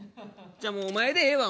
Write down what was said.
じゃあもうお前でええわ。